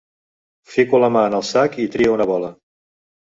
Fico la mà en el sac i trio una bola.